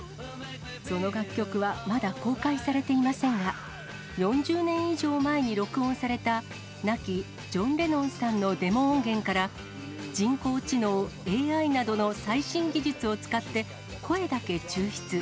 その楽曲はまだ公開されていませんが、４０年以上前に録音された、亡きジョン・レノンさんのデモ音源から、人工知能・ＡＩなどの最新技術を使って、声だけ抽出。